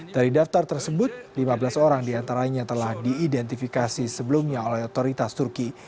dari daftar tersebut lima belas orang diantaranya telah diidentifikasi sebelumnya oleh otoritas turki